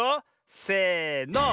せの。